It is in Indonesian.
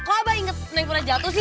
kok abah inget neng pernah jatuh sih